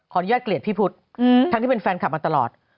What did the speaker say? อนุญาตเกลียดพี่พุทธทั้งที่เป็นแฟนคลับมาตลอด